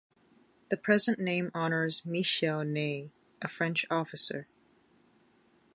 The present name honors Michel Ney, a French officer.